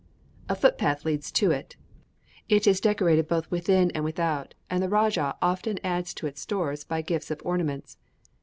A footpath leads to it; it is decorated both within and without, and the rajah often adds to its stores by gifts of ornaments.